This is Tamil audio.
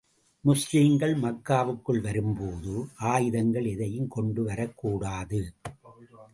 முஸ்லிம்கள் மக்காவுக்குள் வரும் போது, ஆயுதங்கள் எதையும் கொண்டு வரக் கூடாது.